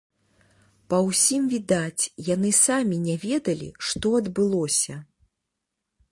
Па ўсім відаць, яны самі не ведалі, што адбылося.